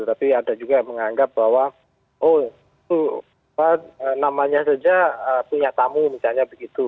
tapi ada juga yang menganggap bahwa oh itu namanya saja punya tamu misalnya begitu